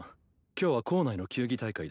今日は校内の球技大会だ。